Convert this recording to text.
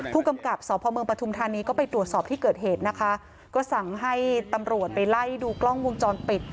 ผู้กำกับสพเมืองปฐุมธานีก็ไปตรวจสอบที่เกิดเหตุนะคะก็สั่งให้ตำรวจไปไล่ดูกล้องวงจรปิด